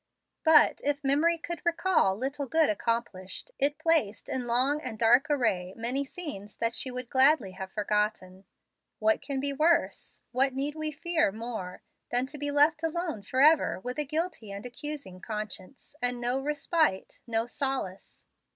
But, if memory could recall little good accomplished, it placed in long and dark array many scenes that she would gladly have forgotten. What can be worse what need we fear more than to be left alone forever with a guilty and accusing conscience, and no respite, no solace?